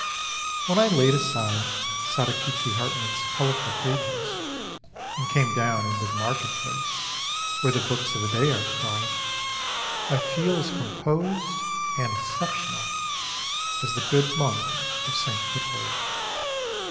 when I laid aside Sadakichi Kartnann's colorful pages and came down into the market place, where the books of the day are cried, I feel as composed and exceptional as the good monk of St. Vithold.